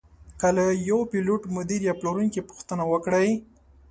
که له یوه پیلوټ، مدیر یا پلورونکي پوښتنه وکړئ.